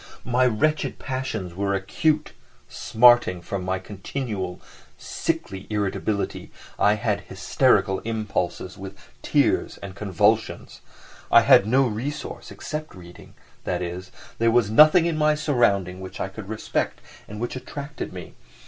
My wretched passions were acute, smarting, from my continual, sickly irritability I had hysterical impulses, with tears and convulsions. I had no resource except reading, that is, there was nothing in my surroundings which I could respect and which attracted me.